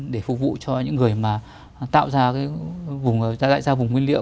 để phục vụ cho những người mà tạo ra vùng nguyên liệu